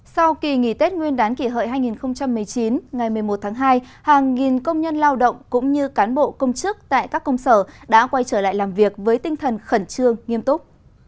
sau kỳ nghỉ tết nguyên đán kỷ hợi hai nghìn một mươi chín ngày một mươi một tháng hai hàng nghìn công nhân lao động cũng như cán bộ công chức tại các công sở đã quay trở lại làm việc với tinh thần khẩn trương nghiêm túc